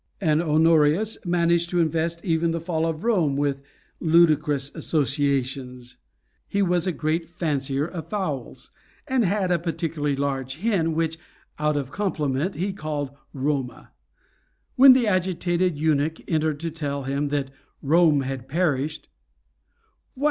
And Honorius managed to invest even the fall of Rome with ludicrous associations. He was a great fancier of fowls, and had a particularly large hen, which, out of compliment, he called Roma. When the agitated eunuch entered to tell him that "Rome had perished," "What!"